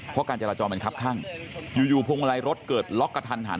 เพราะการจราจรมันคับข้างอยู่พวงมาลัยรถเกิดล็อกกระทันหัน